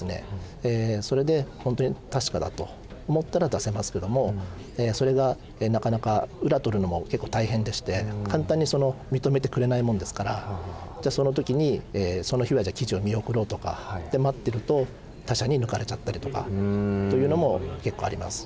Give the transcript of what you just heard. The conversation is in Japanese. それで本当に確かだと思ったら出せますけどもそれがなかなか裏取るのも結構大変でして簡単に認めてくれないもんですからじゃあその時にその日は記事を見送ろうとかで待ってると他社に抜かれちゃったりとかというのも結構あります。